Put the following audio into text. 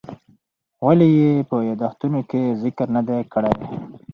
ولې یې په یادښتونو کې ذکر نه دی کړی؟